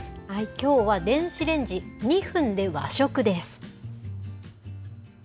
きょうは電子レンジ２分で和食です。